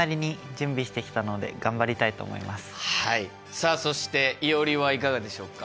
さあそしていおりはいかがでしょうか？